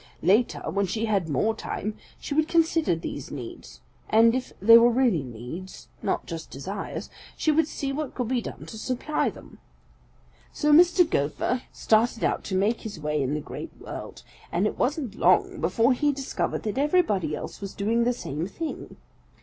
Later, when she had more time, she would consider these needs, and if they were real needs, not just desires, she would see what could be done to supply them. "So Mr. Gopher started out to make his way in the Great World, and it wasn't long before he discovered that everybody else was doing the same thing.